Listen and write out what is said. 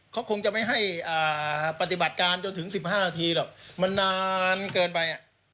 เขาคงจะไม่ให้ปฏิบัติการจนถึง๑๕นาทีหรอกมันนานเกินไป